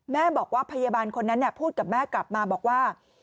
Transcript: แม่บอกว่าพยาบาลคนนั้นพูดกับแม่กลับมาบอกว่า